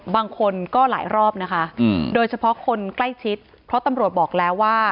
บางคนก็หลายรอบนะคะโดยเฉพาะคนใกล้ชิดเพราะตำรวจบอกแล้วว่า